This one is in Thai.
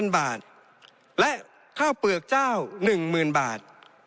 ๐บาทและข้าวเปลือกเจ้า๑๐๐๐บาท